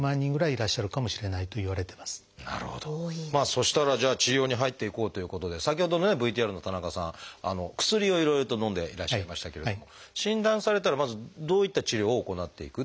そしたらじゃあ治療に入っていこうということで先ほどのねＶＴＲの田中さん薬をいろいろとのんでいらっしゃいましたけれども診断されたらまずどういった治療を行っていくっていうことなんでしょう？